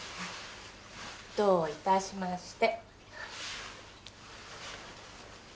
どういたしまして。